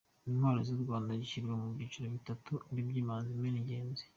Intwari z’u Rwanda zishyirwa mu byiciro bitatu aribyo; Imanzi, Imena n’ingenzi.